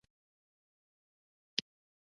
ولسواکي ځکه ښه ده چې هنر پرمختګ ورکوي.